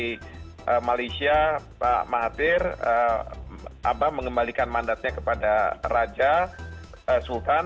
jadi malaysia pak mahathir abah mengembalikan mandatnya kepada raja sultan